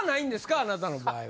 あなたの場合は。